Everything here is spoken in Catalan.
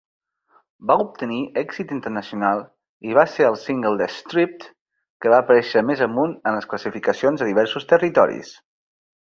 Va obtenir èxit internacional i va ser el single de "Stripped" que va aparèixer més amunt en les classificacions a diversos territoris.